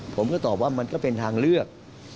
ผมก็ตอบว่ามันก็เป็นทางเลือก